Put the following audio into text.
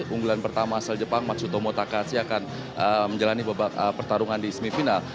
unggulan pertama asal jepang matsutomo takasya akan menjalani babak pertarungan di semifinal